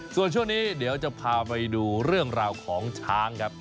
ส่วนช่วงนี้เดี๋ยวจะพาไปดูเรื่องราวของช้างครับ